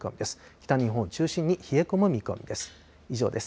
北日本を中心に冷え込む見込みです。